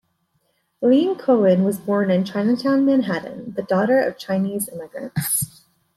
Ling-Cohan was born in Chinatown, Manhattan, the daughter of Chinese immigrants.